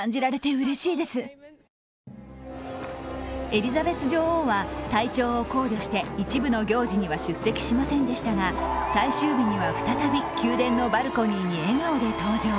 エリザベス女王は体調を考慮して一部の行事には出席しませんでしたが最終日には再び宮殿のバルコニーに笑顔で登場。